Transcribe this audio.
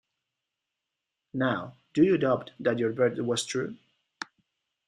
Now, do you doubt that your Bird was true?